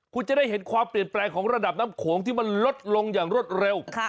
คุณจะได้เห็นความเปลี่ยนแปลงของระดับน้ำโขงที่มันลดลงอย่างรวดเร็ว